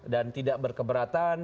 dan tidak berkeberatan